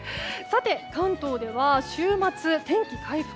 関東では週末、天気回復。